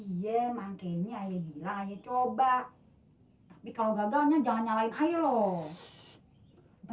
iya manggenya ayah bilang aja coba tapi kalau gagalnya jangan nyalain air loh